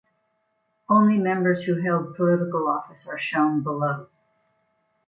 Only members who held political office are shown below.